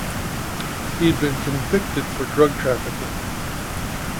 He had been convicted for drug trafficking.